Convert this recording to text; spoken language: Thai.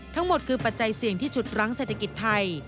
ทั้งหมดคือปัจจัยเสี่ยงที่ฉุดรั้งเศรษฐกิจไทย